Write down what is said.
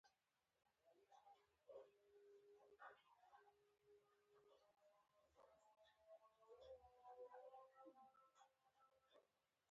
هغه هم هماغه متدینان چې پوښتنې د هغوی دین په اړه مطرح شوې.